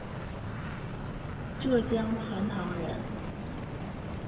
浙江钱塘人。